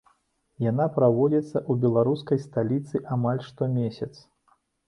Яна праводзіцца ў беларускай сталіцы амаль штомесяц.